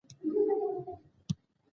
د قلمرو د ساتلو لپاره لېږل سوي وه.